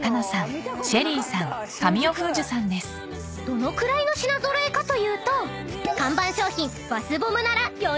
［どのくらいの品揃えかというと看板商品］